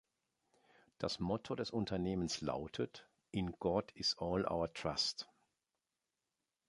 Das Motto des Unternehmens lautet „In God Is All Our Trust“.